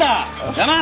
邪魔！